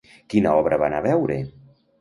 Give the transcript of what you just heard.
Quina obra va anar a veure?